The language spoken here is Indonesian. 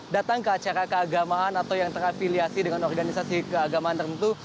datang ke acara keagamaan atau yang terafiliasi dengan organisasi keagamaan tertentu